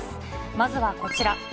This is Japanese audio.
まずはこちら。